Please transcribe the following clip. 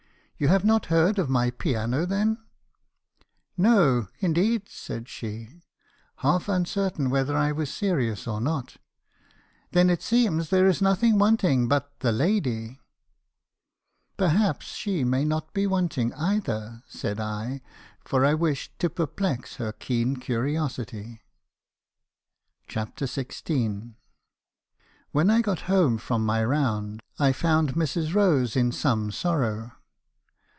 You have not heard of my piano , then ?' "'No, indeed,' said she, half uncertain whether I was serious or not. 'Then it seems there is nothing wanting but the lady.' me. Harrison's confessions. 291 "' Perhaps she may not be wanting either,' said I; for I wished to perplex her keen curiosity. CHAPTER XVI. "When I got home from my round, I found Mrs. Rose in some sorrow.